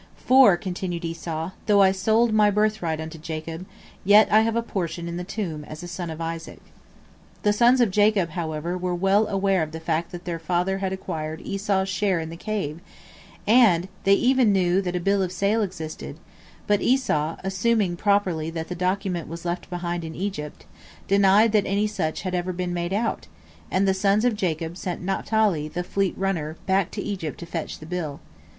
For, continued Esau, "though I sold my birthright unto Jacob, I yet have a portion in the tomb as a son of Isaac." The sons of Jacob, however, were well aware of the fact that their father had acquired Esau's share in the Cave, and they even knew that a bill of sale existed, but Esau, assuming properly that the document was left behind in Egypt, denied that any such had ever been made out, and the sons of Jacob sent Naphtali, the fleet runner, back to Egypt to fetch the bill.